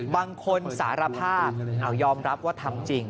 บางคนสารภาพยอมรับว่าทำจริง